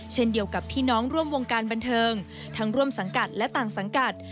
เช่นเดียวกับพี่น้องร่วมวงการบันเทิงทั้งร่วมสังกัดและต่างสังกัด